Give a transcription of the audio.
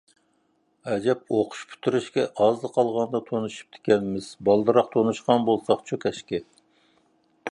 ئەجەب ئوقۇش پۈتتۈرۈشكە ئازلا قالغاندا تونۇشۇپتىكەنمىز، بالدۇرراق تونۇشقان بولساقچۇ كاشكى!